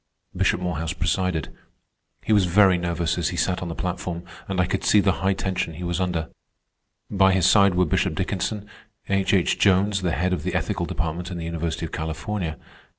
Bishop Morehouse presided. He was very nervous as he sat on the platform, and I could see the high tension he was under. By his side were Bishop Dickinson; H. H. Jones, the head of the ethical department in the University of California; Mrs. W.